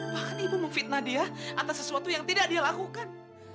bahkan ibu memfitnah dia atas sesuatu yang tidak dia lakukan